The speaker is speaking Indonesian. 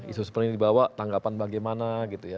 isu seperti ini dibawa tanggapan bagaimana gitu ya